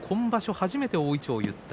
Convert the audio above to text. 初めて大いちょうを結いました。